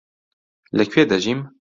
لەکوێ دەژیم؟